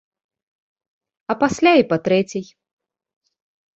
А пасля і па трэцяй!